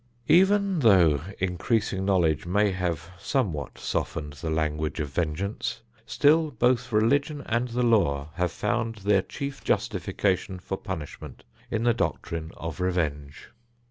Even though increasing knowledge may have somewhat softened the language of vengeance, still both religion and the law have found their chief justification for punishment in the doctrine of revenge.